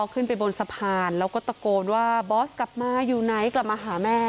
ขึ้นไปบนสะพานแล้วก็ตะโกนว่าบอสกลับมาอยู่ไหนกลับมาหาแม่